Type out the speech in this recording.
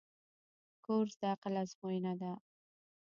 کورس د عقل آزموینه ده.